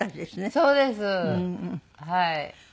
そうですはい。